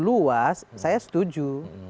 luas saya setuju